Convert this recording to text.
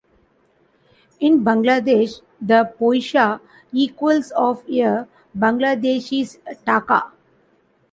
In Bangladesh, the "poisha" equals of a Bangladeshi taka.